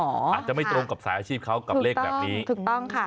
อาจจะไม่ตรงกับสายอาชีพเขากับเลขแบบนี้ถูกต้องค่ะ